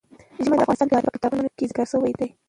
ژمی د افغان تاریخ په کتابونو کې ذکر شوی دي.